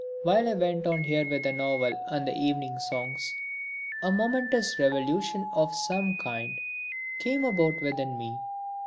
While I went on here with the novel and the Evening Songs, a momentous revolution of some kind came about within me.